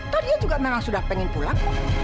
tadi dia juga memang sudah pengen pulang